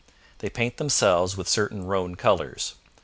They paint themselves with certain roan colours.